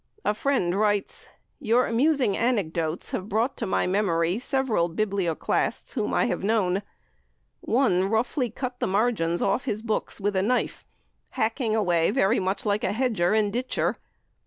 A friend writes: "Your amusing anecdotes have brought to my memory several biblioclasts whom I have known. One roughly cut the margins off his books with a knife, hacking away very much like a hedger and ditcher.